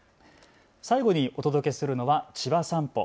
最後にお届けするのはちばさんぽ。